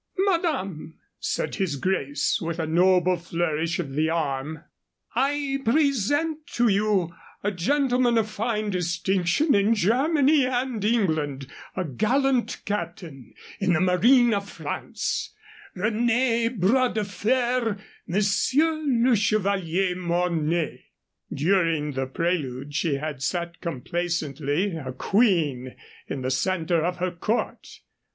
"Madame," said his grace, with a noble flourish of the arm, "I present to you a gentleman of fine distinction in Germany and England, a gallant captain in the Marine of France René Bras de Fer Monsieur le Chevalier Mornay." During the prelude she had sat complaisantly, a queen in the center of her court.